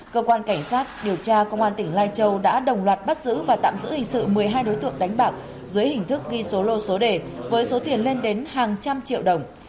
cơ quan cảnh sát điều tra công an tỉnh lai châu đã đồng loạt bắt giữ và tạm giữ hình sự một mươi hai đối tượng đánh bạc dưới hình thức ghi số lô số đề với số tiền lên đến hàng trăm triệu đồng